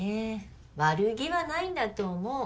悪気はないんだと思う。